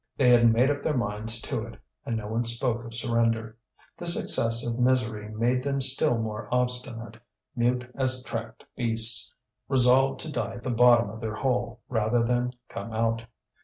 They had made up their minds to it, and no one spoke of surrender. This excess of misery made them still more obstinate, mute as tracked beasts, resolved to die at the bottom of their hole rather than come out.